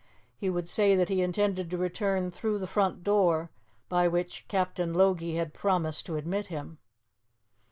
He would say that he intended to return through the front door, by which Captain Logie had promised to admit him.